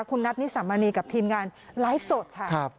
คุณนัทนิสามณีกับทีมงานไลฟ์สดค่ะ